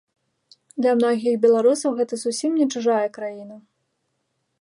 Для многіх беларусаў гэта зусім не чужая краіна.